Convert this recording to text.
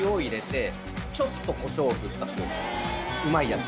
うまいやつ。